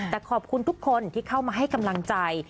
แต่ขอบคุณทุกคนที่เข้ามาให้กำลังใจ